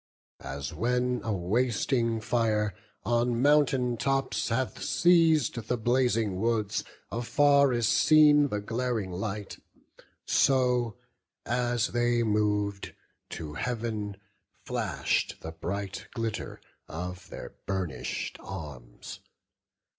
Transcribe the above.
As when a wasting fire, on mountain tops, Hath seized the blazing woods, afar is seen The glaring light; so, as they mov'd, to Heav'n Flash'd the bright glitter of their burnish'd arms.